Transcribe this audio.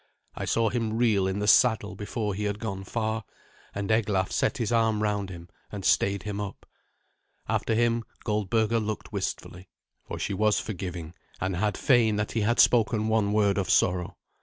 I saw him reel in the saddle before he had gone far, and Eglaf set his arm round him and stayed him up. After him Goldberga looked wistfully, for she was forgiving, and had fain that he had spoken one word of sorrow.